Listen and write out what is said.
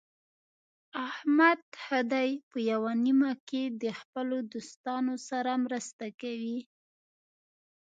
احمد ښه دی په یوه نیمه کې د خپلو دوستانو سره مرسته کوي.